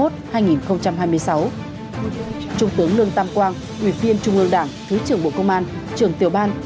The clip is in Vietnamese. trung tướng lương tam quang nguyễn viên trung ương đảng thứ trưởng bộ công an trưởng tiểu ban